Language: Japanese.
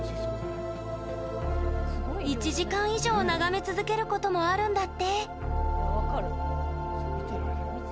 １時間以上眺め続けることもあるんだって。